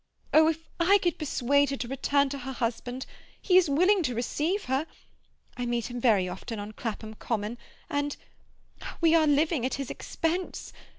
Oh, if I could persuade her to return to her husband! He is willing to receive her. I meet him very often on Clapham Common, and—We are living at his expense.